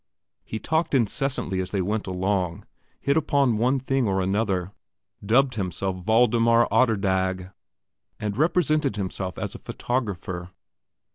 He talked incessantly as they went along, hit upon one thing or another, dubbed himself Waldemar Atterdag, and represented himself as a photographer.